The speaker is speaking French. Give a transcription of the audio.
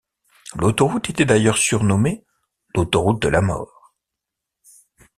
L'autoroute était d'ailleurs surnommée l'autoroute de la mort.